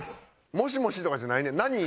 「もしもし」とかじゃないねん「なにー？」